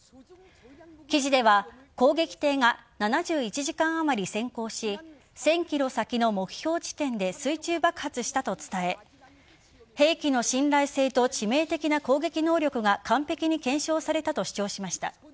記事では攻撃艇が７１時間あまり潜航し１０００ｋｍ先の目標地点で水中爆発したと伝え兵器の信頼性と致命的な攻撃能力が完璧に検証されたと主張しました。